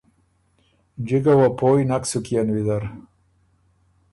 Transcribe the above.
جِکه وه پوی نک سُک يېن ویزر۔